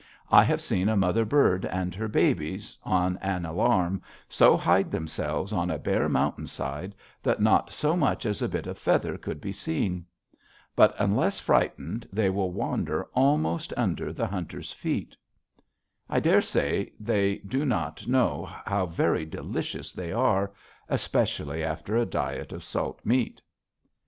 I have seen a mother bird and her babies, on an alarm, so hide themselves on a bare mountain side that not so much as a bit of feather could be seen. But unless frightened, they will wander almost under the hunter's feet. I dare say they do not know how very delicious they are, especially after a diet of salt meat.